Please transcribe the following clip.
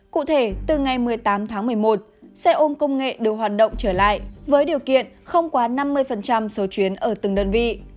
cụ thể từ ngày một mươi tám tháng một mươi một xe ôm công nghệ đều hoạt động trở lại với điều kiện không quá năm mươi số chuyến ở từng đơn vị